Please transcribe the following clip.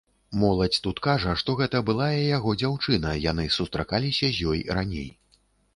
Моладзь тут кажа, што гэта былая яго дзяўчына, яны сустракаліся з ёй раней.